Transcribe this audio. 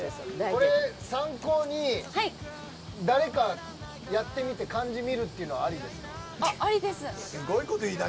これ、参考に誰かやってみて感じ見るのはありです。